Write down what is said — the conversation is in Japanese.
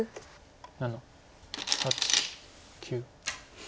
７８９。